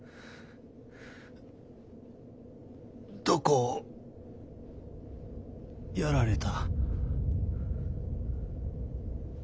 どこをやられた？